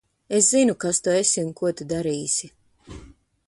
Es zinu, kas tu esi un ko tu darīsi.